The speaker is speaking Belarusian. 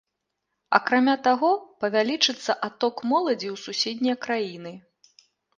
Акрамя таго, павялічыцца адток моладзі ў суседнія краіны.